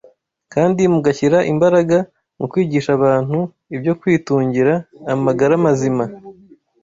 kandi mugashyira imbaraga mu kwigisha abantu ibyo kwitungira amagara mazima.